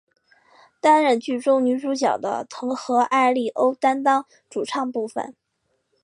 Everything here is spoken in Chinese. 担任剧中女主角的藤和艾利欧担当主唱部分。